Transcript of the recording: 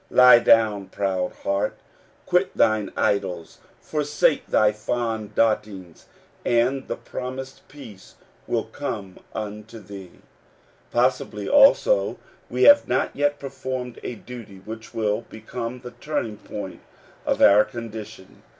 Lie down, proud heart ! Quit thine idols ; forsake thy fond dotings; and the promised peace will come unto thee. Possibly, also, we have not yet performed a duty which will become the turning point of our condi tion.